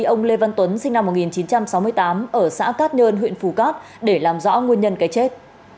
ông lê văn tuấn sinh năm một nghìn chín trăm sáu mươi tám ở xã cát nhơn huyện phù cát để làm rõ nguyên nhân cái chết